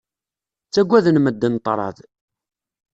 Ttagaden medden ṭṭṛad.